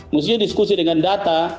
mestinya diskusi dengan data